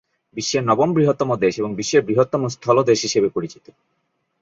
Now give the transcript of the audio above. বিশ্বের নবম বৃহত্তম দেশ এবং বিশ্বের বৃহত্তম স্থল দেশ হিসাবে পরিচিত।